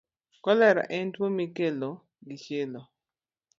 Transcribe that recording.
Kolera en tuwo mikelo gi chilo.